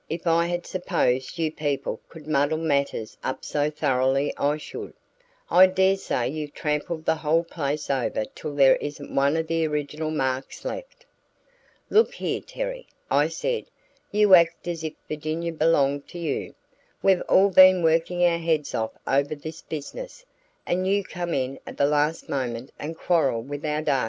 If I had supposed you people could muddle matters up so thoroughly I should. I dare say you've trampled the whole place over till there isn't one of the original marks left." "Look here, Terry," I said. "You act as if Virginia belonged to you. We've all been working our heads off over this business, and you come in at the last moment and quarrel with our data.